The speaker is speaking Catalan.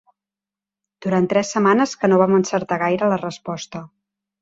Durant tres setmanes que no vam encertar gaire la resposta.